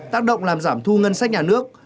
tác động làm giảm thu ngân sách nhà nước